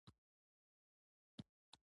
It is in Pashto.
علي په خپلو کړو ګناهونو ډېر صلواتونه وکړل.